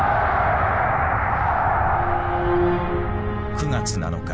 ９月７日。